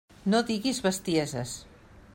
No diguis bestieses.